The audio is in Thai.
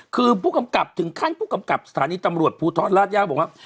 คือผู้กำกับถึงขั้นผู้กำกับสถานีตำรวจภูทรราชยาวบอกว่า